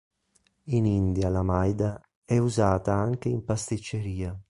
In India la maida è usata anche in pasticceria.